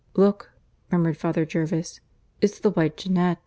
"Look," murmured Father Jervis "it's the white jennet."